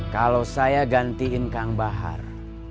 kalau saya gantiin kang bahar